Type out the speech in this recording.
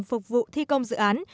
phục vụ thi công dự án